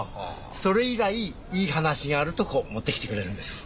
それ以来いい話があるとこう持ってきてくれるんです。